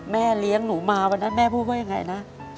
แม่เลี้ยงหนูมาวันนั้นแม่พูดว่ายังไงนะ